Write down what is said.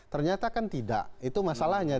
ternyata kan tidak itu masalahnya